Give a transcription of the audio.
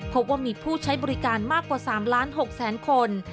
พบว่ามีผู้ใช้บริการมากกว่า๓ล้าน๖แสนคน